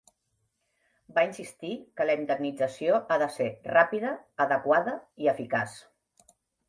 Va insistir que la indemnització ha de ser "ràpida, adequada i eficaç".